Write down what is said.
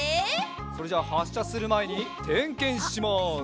それじゃあはっしゃするまえにてんけんします。